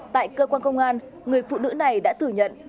tại cơ quan công an người phụ nữ này đã thừa nhận